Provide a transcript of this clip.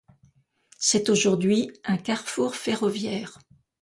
C'est aujourd'hui un carrefour ferroviaire.